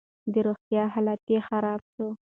د روغتيا حالت يې خراب شو.